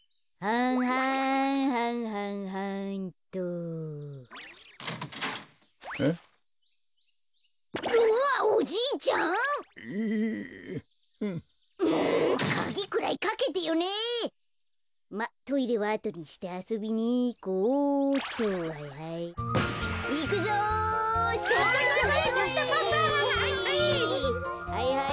はいはいはいはい。